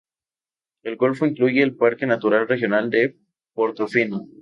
El golfo incluye el parque natural regional de Portofino.